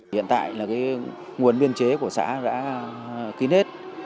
hiện tại là nguồn biên chế của xã đã kín hết